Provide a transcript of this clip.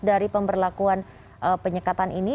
dari pemberlakuan penyekatan ini